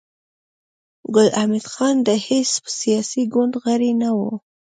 ګل حمید خان د هېڅ سياسي ګوند غړی نه و